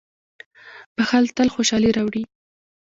• بښل تل خوشالي راوړي.